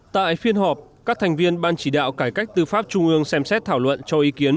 tại phiên họp các thành viên ban chỉ đạo cải cách tư pháp trung ương xem xét thảo luận cho ý kiến